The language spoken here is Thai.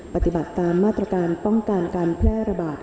ปฏิบัติตามมาตรการป้องกันการแพร่ระบาด